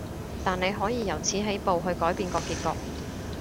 但你可以由此起步，去改變個結局